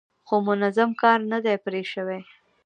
خو منظم کار نه دی پرې شوی.